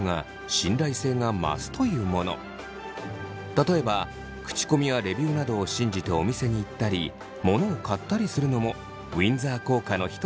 例えば口コミやレビューなどを信じてお店に行ったり物を買ったりするのもウィンザー効果の一つといわれています。